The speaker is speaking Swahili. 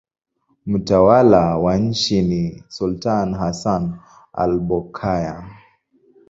Mtawala wa nchi ni sultani Hassan al-Bolkiah.